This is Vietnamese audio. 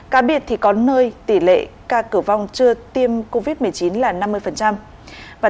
cá biệt thì có nơi tỷ lệ ca tử vong chưa tiêm covid một mươi chín là năm mươi